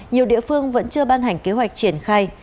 nhiều địa phương vẫn chưa ban hành kế hoạch triển khai